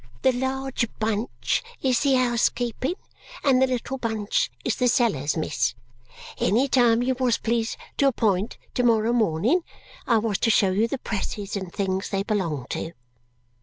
"The large bunch is the housekeeping, and the little bunch is the cellars, miss. Any time you was pleased to appoint to morrow morning, I was to show you the presses and things they belong to."